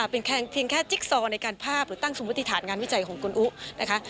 เป็นเพียงแค่จิ๊กซอในการภาพหรือตั้งสมมติฐานงานวิจัยของคุณอุนะคะ